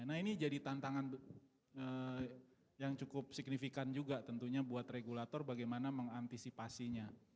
nah ini jadi tantangan yang cukup signifikan juga tentunya buat regulator bagaimana mengantisipasinya